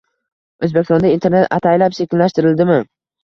O'zbekistonda Internet ataylab sekinlashtirildimi?